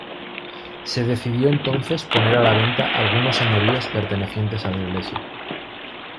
Se decidió entonces poner a la venta algunos señoríos pertenecientes a la Iglesia.